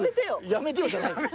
やめてよじゃないです。